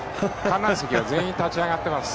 観覧席は全員立ち上がってます。